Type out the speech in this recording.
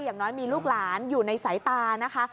อย่างน้อยมีลูกหลานอยู่ในสายตานะคะ